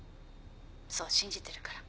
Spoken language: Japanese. そう信じてるから。